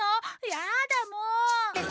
やだあもう！